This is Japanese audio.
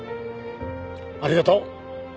ありがとう。